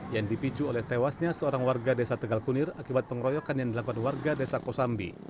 yang dipicu oleh tewasnya seorang warga desa tegal kunir akibat pengeroyokan yang dilakukan warga desa kosambi